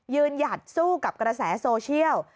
หยัดสู้กับกระแสโซเชียล